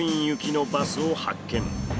行きのバスを発見。